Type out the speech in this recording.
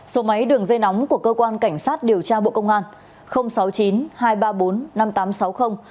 số máy đường dây nóng của cơ quan cảnh sát điều tra bộ công an sáu mươi chín hai trăm ba mươi bốn năm nghìn tám trăm sáu mươi